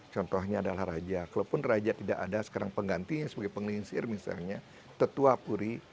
contohnya adalah raja kalaupun raja tidak ada sekarang penggantinya sebagai penginsir misalnya tetua puri